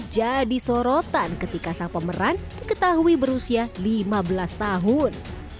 jadi sorotan ketika sang pemeran ketahui berusia lima belas tahun